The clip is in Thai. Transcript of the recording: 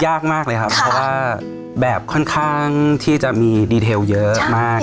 ยากมากเลยครับเพราะว่าแบบค่อนข้างที่จะมีดีเทลเยอะมาก